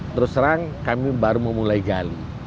terus terang kami baru memulai gali